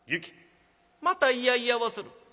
また『いやいや』をする。